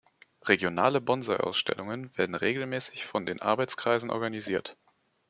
Regionale Bonsai-Ausstellungen werden regelmäßig von den Arbeitskreisen organisiert.